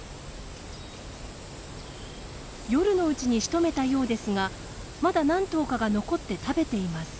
夜のうちにしとめたようですがまだ何頭かが残って食べています。